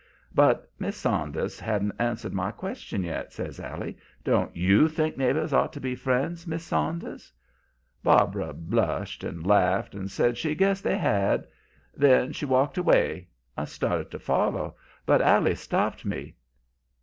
"'But Miss Saunders hasn't answered my question yet,' says Allie. 'Don't YOU think neighbors ought to be friends, Miss Saunders?' "Barbara blushed and laughed and said she guessed they had. Then she walked away. I started to follow, but Allie stopped me.